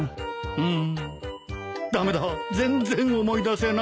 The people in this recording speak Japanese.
うん？